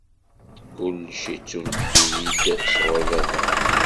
Kullec ittunefk-iyi-d sɣur Baba.